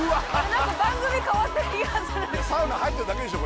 何か番組変わった気がするいやサウナ入ってるだけでしょ